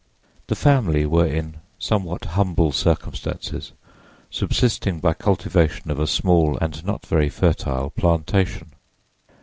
The family were in somewhat humble circumstances, subsisting by cultivation of a small and not very fertile plantation.